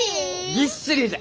ぎっしりじゃ！